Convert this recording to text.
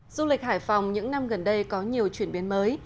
du lịch hải phòng những năm gần đây có nhiều chuyển biến mới